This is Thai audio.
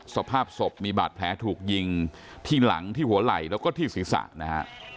สภาพศพมีบาดแผลถูกยิงที่หลังที่หัวไหล่แล้วก็ที่ศีรษะนะฮะ